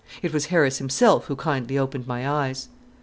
It was Harris himself who kindly opened my eyes.